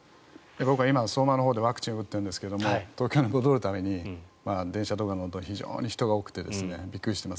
僕は今、相馬のほうでワクチンを打っていますが東京に戻る度に電車とか乗ると非常に人が多くてびっくりしています。